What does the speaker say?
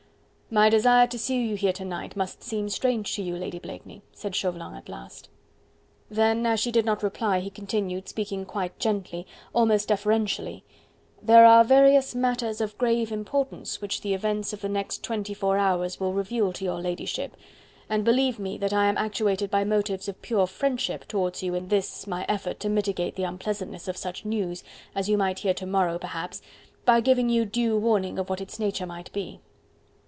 "My desire to see you here to night, must seem strange to you, Lady Blakeney," said Chauvelin at last. Then, as she did not reply, he continued, speaking quite gently, almost deferentially: "There are various matters of grave importance, which the events of the next twenty four hours will reveal to your ladyship: and believe me that I am actuated by motives of pure friendship towards you in this my effort to mitigate the unpleasantness of such news as you might hear to morrow perhaps, by giving you due warning of what its nature might be."